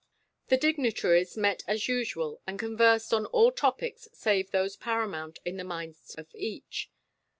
The dignitaries met as usual and conversed on all topics save those paramount in the minds of each.